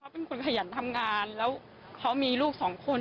เป็นคนขยันทำงานแล้วเขามีลูกสองคน